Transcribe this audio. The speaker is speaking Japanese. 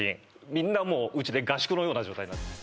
みんなもううちで合宿のような状態になってます